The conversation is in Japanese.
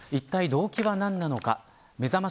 いったい動機は何なのか。